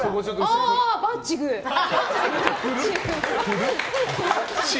ああ、バッチグー！